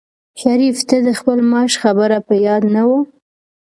شریف ته د خپل معاش خبره په یاد نه وه.